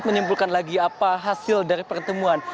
dan menyimpulkan lagi apa hasil dari pertemuan